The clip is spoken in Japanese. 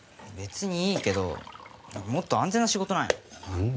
別にいいけどもっと安全な仕事ないの？